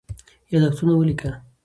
یادښتونه ولیکه.